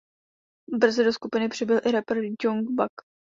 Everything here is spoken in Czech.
Brzy do skupiny přibyl i rapper Young Buck.